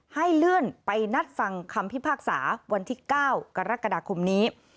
ให้เลื่อนไปนัดฟังคำพิพากษาวันที่๙กรกฎาคมนี้